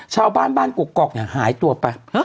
ชาวบ้านบ้านกกอกเนี่ยหายตัวไป